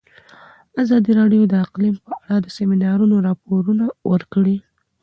ازادي راډیو د اقلیم په اړه د سیمینارونو راپورونه ورکړي.